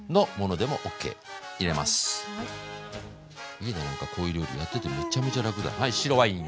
いいねなんかこういう料理やっててめっちゃめちゃ楽だ。